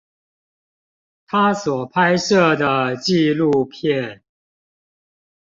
他所拍攝的紀錄片